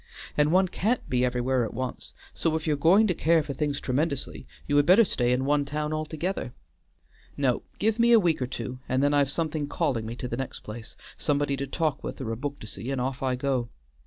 And one can't be everywhere at once, so if you're going to care for things tremendously, you had better stay in one town altogether. No, give me a week or two, and then I've something calling me to the next place; somebody to talk with or a book to see, and off I go.